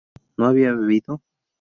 ¿no había bebido?